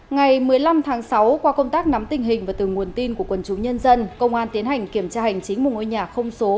ngày một mươi năm tháng sáu qua công tác nắm tình hình và từ nguồn tin của quần chúng nhân dân công an tiến hành kiểm tra hành chính một ngôi nhà không số